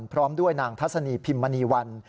พร้อมด้วยนางทัศนีพิมมณีวัน